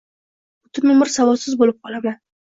Butun umr savodsiz bo`lib qolaman